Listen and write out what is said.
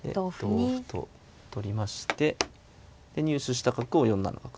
同歩と取りまして入手した角を４七角と。